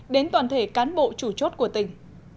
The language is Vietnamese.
đến toàn thể cán bộ chủ chốt của tỉnh